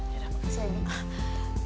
ya udah makasih bi